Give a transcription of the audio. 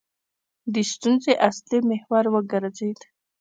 د ستونزې اصلي محور وګرځېد.